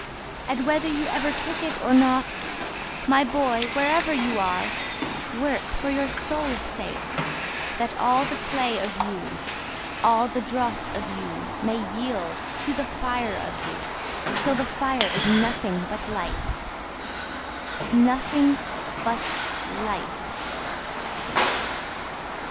And whether you ever took it or not, My, boy, wherever you are, Work for your soul's sake, That all the clay of you, all of the dross of you, May yield to the fire of you, Till the fire is nothing but light!… Nothing but light!